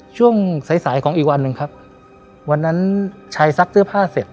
ช่วงสายสายของอีกวันหนึ่งครับวันนั้นชายซักเสื้อผ้าเสร็จ